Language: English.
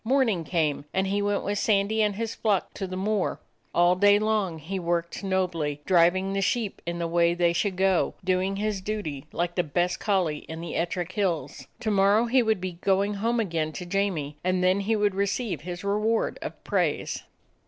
Morning came, and he went with Sandy and his flock to the moor. All day long he worked nobly, driving the sheep in the way they should go, doing his duty like the best collie in the Ettrick Hills. To morrow he would be going home again to Jamie, and then he would receive his reward of praise.